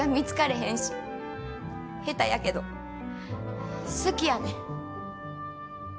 下手やけど好きやねん。